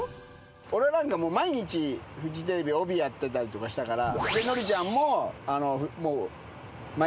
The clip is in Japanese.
俺なんか毎日フジテレビ帯やってたりとかしたから。